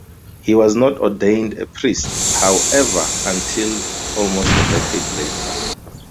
He was not ordained a priest, however, until almost a decade later.